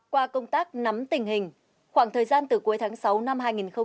qua công tác nắm tình hình khoảng thời gian từ cuối tháng sáu năm hai nghìn hai mươi